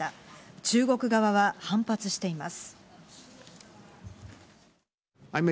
中国側は反発しています。